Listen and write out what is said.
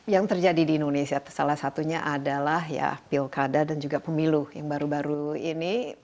yang terjadi di indonesia salah satunya adalah ya pilkada dan juga pemilu yang baru baru ini